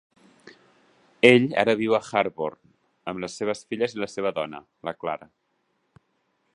Ell ara viu a Harborne amb les seves filles i la seva dona, la Clara.